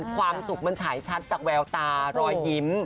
ความสุขมันฉายชัดจากแววตารอยยิ้ม